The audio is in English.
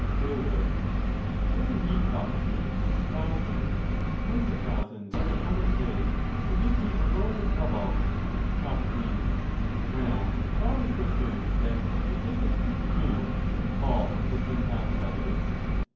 Theod, Yes, indeed, Socrates, thousands and tens of thou sands, as Homer says, who give me a world of trouble. Soc. Well, but are we to assert that what you think is true to you and false to the ten thousand others